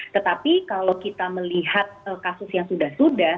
tetapi kalau kita melihat kasus yang sudah sudah